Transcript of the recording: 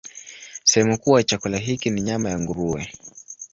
Sehemu kuu ya chakula hiki ni nyama ya nguruwe.